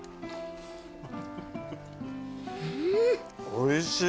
おいしい。